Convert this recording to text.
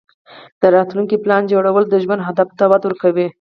د راتلونکې لپاره پلان جوړول د ژوند اهدافو ته وده ورکوي.